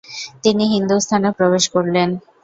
তিনি হিন্দুস্থানে প্রবেশ করলেন।